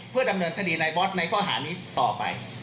เพื่อดำเนินคดีในบอสในข้อหานี้ต่อไป